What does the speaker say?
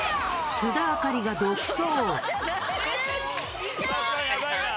須田亜香里が独走。